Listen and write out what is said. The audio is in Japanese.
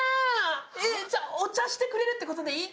えっ、じゃあお茶してくれるってことでいい？